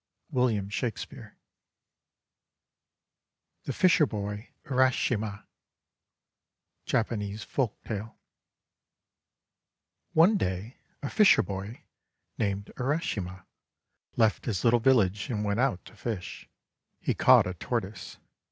WILLIAM SHAKESPEARE THE FISHERBOY UEASHIMA Japanese Folktale ONE day a fisherboy, named Urashima, left his little village and went out to fish. He caught a Tortoise.